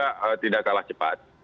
pemerintah juga tidak kalah cepat